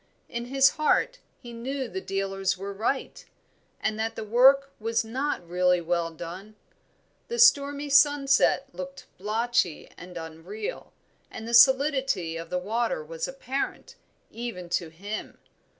In his heart he knew the dealers were right, and that the work was not really well done. The stormy sunset looked blotchy and unreal, and the solidity of the water was apparent, even to him.